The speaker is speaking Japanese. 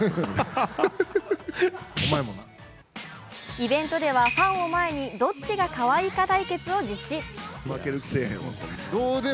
イベントでは、ファンを前にどっちがかわいいか対決を実施。